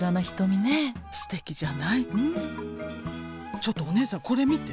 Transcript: ちょっとお姉さんこれ見て。